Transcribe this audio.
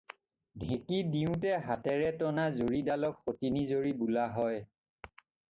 ঢেঁকী দিওঁতে হাতেৰে টনা জৰী ডালক সতিনী জৰী বোলা হয়।